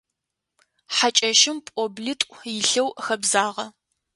Хьакӏэщым пӏоблитӏу илъэу хэбзагъэ.